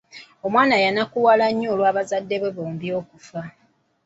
Omwana yanakuwala nnyo olwa bazadde be bombi okufa.